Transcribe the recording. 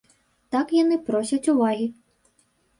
Так яны просяць увагі.